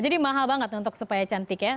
jadi mahal banget untuk supaya cantik ya